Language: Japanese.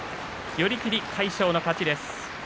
寄り切り、魁勝の勝ちです。